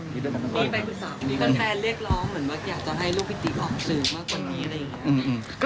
พี่แฟนเรียกร้องเหมือนว่าอยากจะให้ลูกพี่ติ๊กออกสื่อว่าก่อนดีอะไรอย่างนี้ครับ